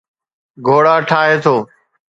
گهوڙا ٺاهي ٿو